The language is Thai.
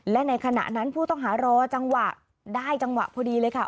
และในขณะนั้นผู้ต้องหารอจังหวะได้จังหวะพอดีเลยค่ะ